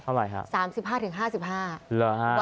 เท่าไหร่ครับ